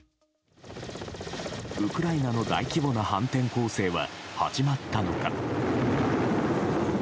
ウクライナの大規模な反転攻勢は始まったのか。